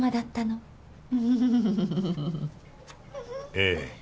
ええ。